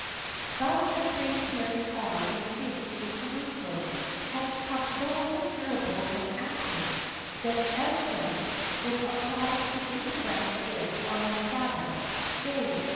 [XIII 46] Thus the trade carried on with figs in Jerusalem had become so considerable and active, that Esdras was obliged to interdict it on the Sabbath day.